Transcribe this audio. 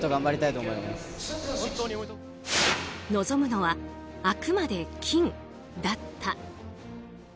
望むのは、あくまで金だった。